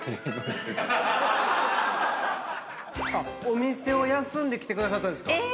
お店を休んで来てくださったんですか